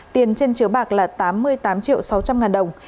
tiền trên chiếu bạc là tám mươi tám triệu sáu trăm linh ngàn đồng